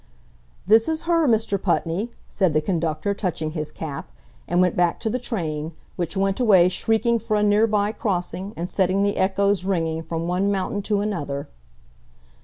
"This is her, Mr. Putney," said the conductor, touching his cap, and went back to the train, which went away shrieking for a nearby crossing and setting the echoes ringing from one mountain to another.